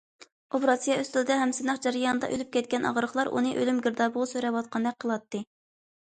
ئوپېراتسىيە ئۈستىلىدە ھەم سىناق جەريانىدا ئۆلۈپ كەتكەن ئاغرىقلار ئۇنى ئۆلۈم گىردابىغا سۆرەۋاتقاندەك قىلاتتى.